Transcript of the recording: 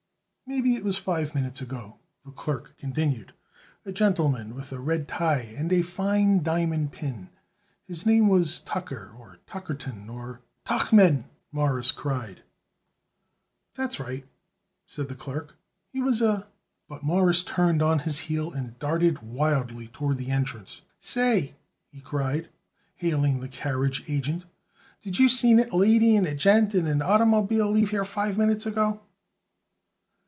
"Maybe it was five minutes ago," the clerk continued. "A gentleman with a red tie and a fine diamond pin. His name was Tucker or Tuckerton or " "Tuchman," Morris cried. "That's right," said the clerk; "he was a " But Morris turned on his heel and darted wildly toward the entrance. "Say!" he cried, hailing the carriage agent, "did you seen it a lady and a gent in an oitermobile leave here five minutes ago?"